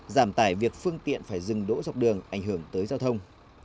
giảm tải việc phương tiện phải dừng đỗ dọc đường ảnh hưởng tới giao thông